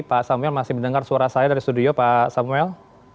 pak samuel masih mendengar suara saya dari studio pak samuel